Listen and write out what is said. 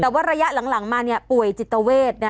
แต่ว่าระยะหลังมาป่วยจิตเวท